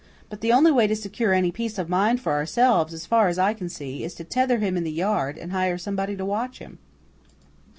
But the only way to secure any peace of mind for ourselves, as far as I can see, is to tether him in the yard, and hire somebody to watch him."